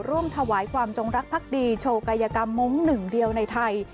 ร่วมถวายความจงรักภักดีโชว์กายกรรมมงค์หนึ่งเดียวในไทย